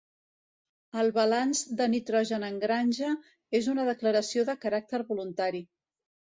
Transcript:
El balanç de nitrogen en granja és una declaració de caràcter voluntari.